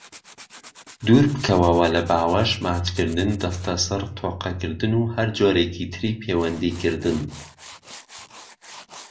دوربکەوەرەوە لە باوەش، ماچکردن، دەستەسڕ، تۆقەکردن، وە هەرجۆریکی تری پەیوەندیکردن.